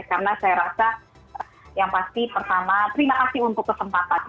karena saya rasa yang pasti pertama terima kasih untuk kesempatan